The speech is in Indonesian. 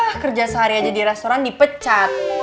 ah kerja sehari aja di restoran dipecat